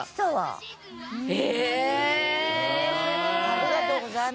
ありがとうございます。